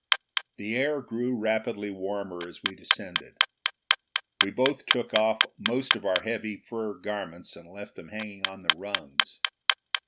The air grew rapidly warmer as we descended. We both took off most of our heavy fur garments, and left them hanging on the rungs.